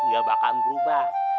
gak bakal berubah